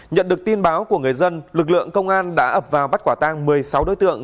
nhận được tin báo của người dân lực lượng công an đã ập vào bắt quả tang một mươi sáu đối tượng